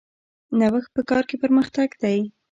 نوښت په کار کې پرمختګ دی